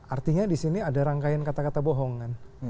artinya disini ada rangkaian kata kata bohong kan